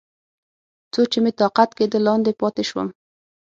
څو چې مې طاقت کېده، لاندې پاتې شوم.